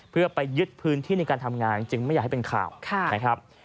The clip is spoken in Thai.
เพื่อไปยึดพื้นที่ในการทำงานจึงไม่อยากให้เป็นข่าวนะครับ